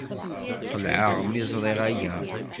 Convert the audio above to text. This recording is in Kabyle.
Xelɛeɣ mi ẓriɣ aya.